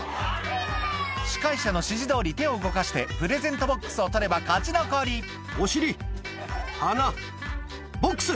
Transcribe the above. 司会者の指示どおり手を動かしてプレゼントボックスを取れば勝ち残り「お尻！鼻！」「ボックス！」